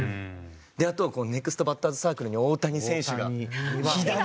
あとはネクストバッターズサークルに大谷選手が左の。